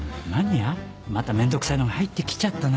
まためんどくさいのが入ってきちゃったな。